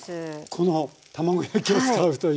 この卵焼きを使うという。